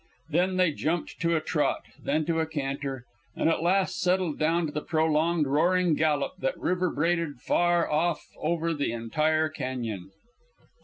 Then they jumped to a trot, then to a canter, and at last settled down to the prolonged roaring gallop that reverberated far off over the entire cañon.